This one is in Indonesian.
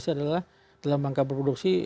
adalah dalam angka produksi